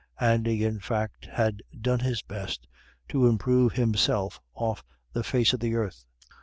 Andy, in fact, had done his best to improve himself off the face of the earth."